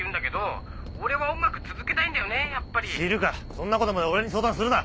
そんなことまで俺に相談するな！